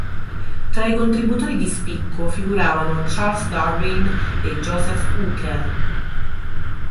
Tra i contributori di spicco figuravano Charles Darwin e Joseph Hooker.